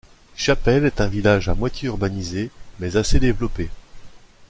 Chapelle est un village à moitié-urbanisé mais assez développé.